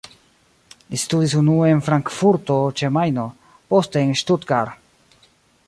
Li studis unue en Frankfurto ĉe Majno, poste en Stuttgart.